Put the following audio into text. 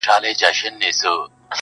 ليکوال ژور نقد وړلاندي کوي ډېر,